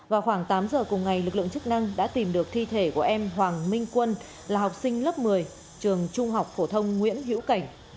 vào khoảng tám giờ cùng ngày lực lượng chức năng đã tìm được thi thể của em hoàng minh quân là học sinh lớp một mươi trường trung học phổ thông nguyễn hiễu cảnh